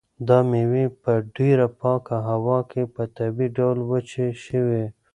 دا مېوې په ډېره پاکه هوا کې په طبیعي ډول وچې شوي.